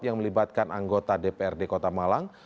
yang melibatkan anggota dprd kota malang